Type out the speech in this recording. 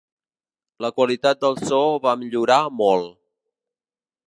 La qualitat del so va millorar molt.